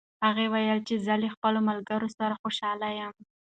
هغه وویل چې زه له خپلو ملګرو سره خوشحاله یم.